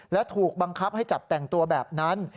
และถูกบังคับให้จับแต่งตัวแบบนั้น